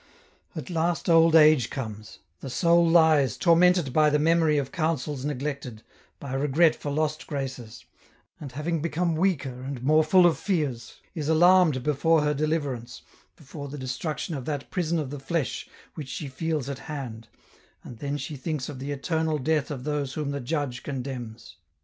At last old age comes ; the soul lies, tormented by the memory of counsels neglected, by regret for lost graces ; and having become weaker, and more full of fears, is alarmed before her deliverance, before the destruction of that prison of the flesh which she feels at hand, and then she thinks of the eternal death of those whom the Judge condemns.